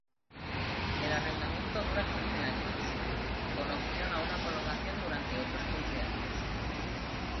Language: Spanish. El arrendamiento dura quince años, con opción a una prolongación durante otros quince años.